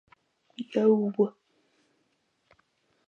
Much of the conflict is internal, rather than external and visible.